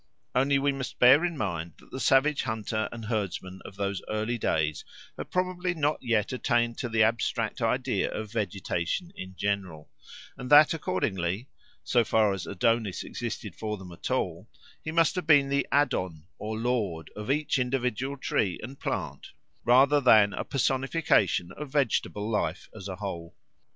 Only we must bear in mind that the savage hunter and herdsman of those early days had probably not yet attained to the abstract idea of vegetation in general; and that accordingly, so far as Adonis existed for them at all, he must have been the Adon or lord of each individual tree and plant rather than a personification of vegetable life as a whole.